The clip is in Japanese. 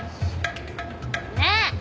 ねえ！